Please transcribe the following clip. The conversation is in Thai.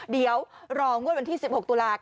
เดี๋ยวรองวดวันที่๑๖ตุลาคม